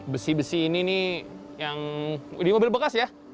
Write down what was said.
besi besi ini yang di mobil bekas ya